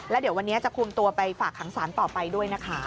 แล้วเดี๋ยววันนี้จะคุมตัวไปฝากขังสารต่อไปด้วยนะคะ